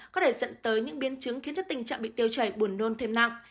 có thể dẫn tới những biến chứng khiến tình trạng bị tiêu chảy buồn nôn thêm nặng